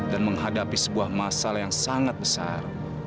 dan menghadapi sebuah masalah yang sangat besar